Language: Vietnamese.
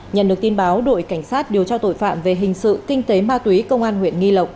nhận được tin báo đội cảnh sát điều tra tội phạm về hình sự kinh tế ma túy công an huyện nghi lộc